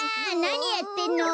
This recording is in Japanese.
なにやってんの？